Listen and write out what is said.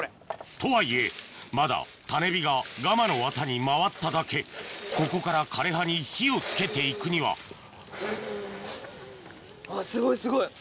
とはいえまだ種火がガマの綿に回っただけここから枯れ葉に火を付けて行くにはすごいすごい。